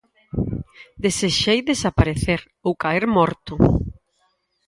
Desexei desaparecer ou caer morto.